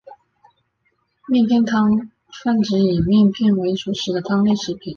面片汤泛指以面片为主食的汤类食品。